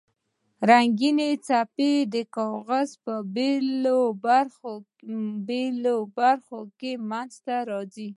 رنګینې خپې د کاغذ په بیلو برخو کې منځ ته راځي.